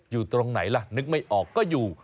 อยู่ตรงไหนล่ะนึกไม่ออกก็อยู่